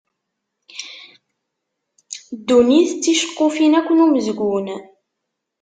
Dunnit d ticeqqufin akk n umezgun.